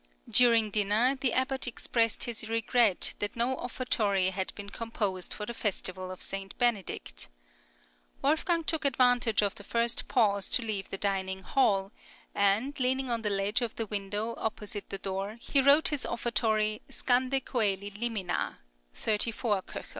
During dinner the abbot expressed his regret that no offertory had been composed for the festival of St. Benedict. Wolfgang took advantage of the first pause {STUDY IN SALZBURG.} (58) to leave the dining hall, and leaning on the ledge of the window opposite the door, he wrote his offertory "Scande coeli limina" (34 K.).